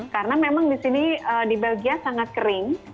karena memang di sini di belgia sangat kering